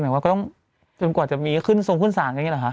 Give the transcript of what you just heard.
หมายความว่าก็ต้องเต็มกว่าจะขึ้นทรงพื้นศาลแบบนี้หรือครับ